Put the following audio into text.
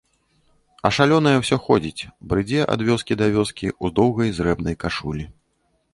А шалёная ўсё ходзіць, брыдзе ад вёскі да вёскі ў доўгай зрэбнай кашулі.